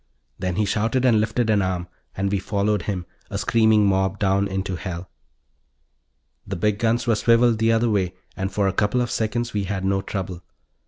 Then he shouted and lifted an arm and we followed him, a screaming mob heading down into hell. The big guns were swiveled the other way and for a couple of seconds we had no trouble.